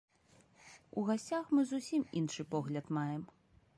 У гасцях мы зусім іншы погляд маем.